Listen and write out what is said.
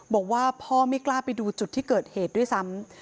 บอกว่าพ่อไม่กล้าไปดูจุดที่เกิดเหตุด้วยซ้ำ